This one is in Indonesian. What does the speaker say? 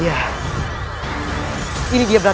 kau mencari dua blati